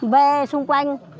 về xung quanh